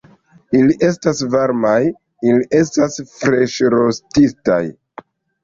Ili estas varmaj... ili estas freŝrostitaj